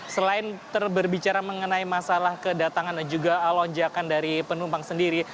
selain berbicara mengenai masalah kedatangan dan juga lonjakan dari penumpang sendiri